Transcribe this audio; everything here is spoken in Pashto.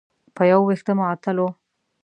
په یو وېښته معطل و.